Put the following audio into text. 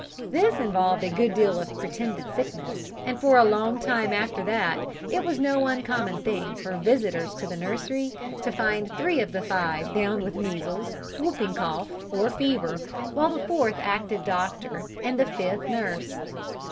This involved a good deal of pretended sickness, and for a long time after that it was no uncommon thing for visitors to the nursery to find three of the five down with measles, whooping cough, or fever, while the fourth acted doctor, and the fifth nurse.